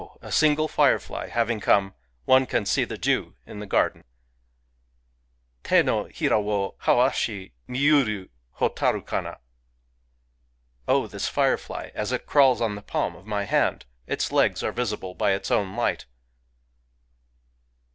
a single firefly having come, one can see the dew in the garden ! Te no hira wo Hau ashi miyuru Hotaru kana ! Oh, this firefly! — as it crawls on the palm of my hand, its legs are visible [by its own light] !